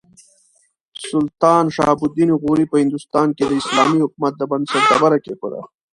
سلطان شهاب الدین غوري په هندوستان کې د اسلامي حکومت د بنسټ ډبره کېښوده.